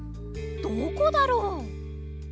どこだろう？